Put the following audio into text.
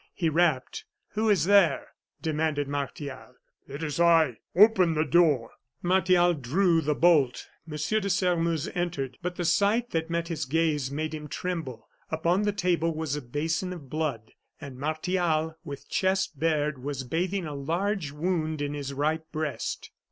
He rapped. "Who is there?" demanded Martial. "It is I; open the door." Martial drew the bolt; M. de Sairmeuse entered, but the sight that met his gaze made him tremble. Upon the table was a basin of blood, and Martial, with chest bared, was bathing a large wound in his right breast.